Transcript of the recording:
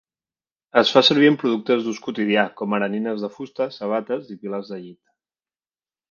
Es fa servir en productes d'ús quotidià com ara nines de fusta, sabates i pilars de llit.